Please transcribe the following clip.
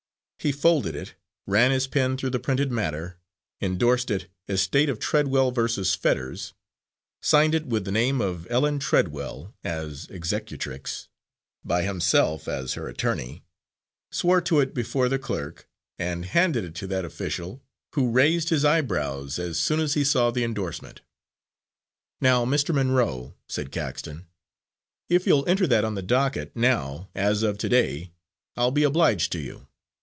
He folded it, ran his pen through the printed matter, endorsed it, "Estate of Treadwell vs. Fetters," signed it with the name of Ellen Treadwell, as executrix, by himself as her attorney, swore to it before the clerk, and handed it to that official, who raised his eyebrows as soon as he saw the endorsement. "Now, Mr. Munroe," said Caxton, "if you'll enter that on the docket, now, as of to day, I'll be obliged to you.